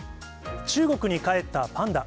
中国に帰ったパンダ。